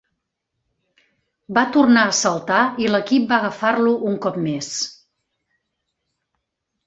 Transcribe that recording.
Va tornar a saltar i l'equip va agafar-lo un cop més.